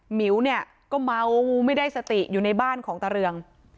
หมิวเนี่ยก็เมาไม่ได้สติอยู่ในบ้านของตาเรือง